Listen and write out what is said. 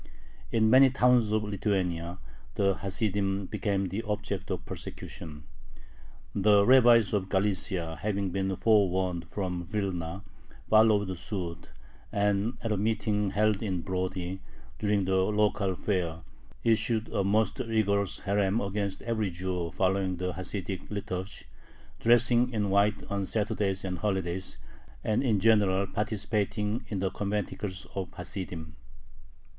In many towns of Lithuania the Hasidim became the object of persecution. The rabbis of Galicia, having been forewarned from Vilna, followed suit, and at a meeting held in Brody, during the local fair, issued a most rigorous herem against every Jew following the Hasidic liturgy, dressing in white on Saturdays and holidays, and in general participating in the conventicles of the Hasidim.